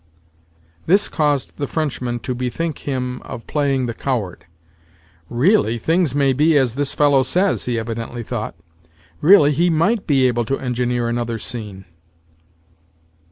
This caused the Frenchman to bethink him of playing the coward. "Really things may be as this fellow says," he evidently thought. "Really he might be able to engineer another scene."